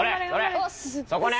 そこね！